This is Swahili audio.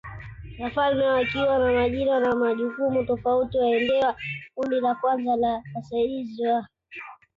Wafalme wakiwa na majina na majukumu tofautiWandewa Kundi la kwanza la wasaidizi wa